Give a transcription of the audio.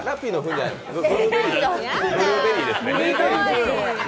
それブルーベリーですね。